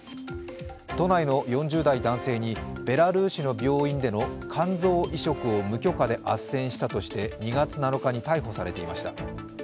都内の４０代男性に、ベラルーシの病院での肝臓移植を無許可であっせんしたとして２月７日に逮捕されていました。